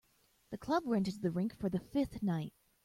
The club rented the rink for the fifth night.